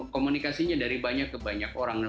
komunikasinya dari banyak ke banyak orang